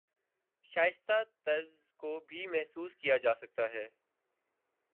شائستہ طنز کو بھی محسوس کیا جاسکتا ہے